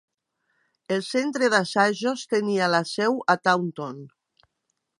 El centre d'assajos tenia la seu a Taunton.